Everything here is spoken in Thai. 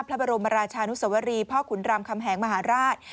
พระบรมราชานุสวรีพ่อขุนรามคำแหงมหาราช